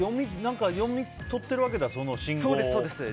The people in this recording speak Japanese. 読み取っているわけだ信号を。